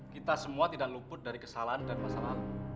kita semua tidak luput dari kesalahan dan masalah